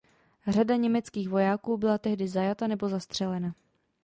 Řada německých vojáků byla tehdy zajata nebo zastřelena.